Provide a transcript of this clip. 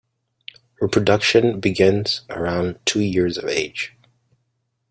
Reproduction begins around two years of age.